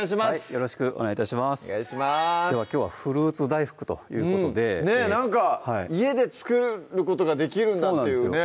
よろしくお願い致しますではきょうは「フルーツ大福」ということでねぇなんか家で作ることができるんだっていうね